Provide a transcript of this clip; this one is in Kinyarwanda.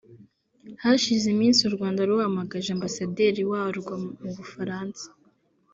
Hashize iminsi u Rwanda ruhamagaje Ambasaderi warwo mu Bufaransa